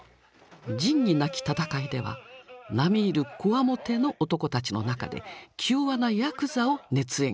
「仁義なき戦い」では並み居る強面の男たちの中で気弱なやくざを熱演。